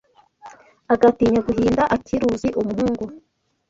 Agatinya guhinda Akiruzi umuhungu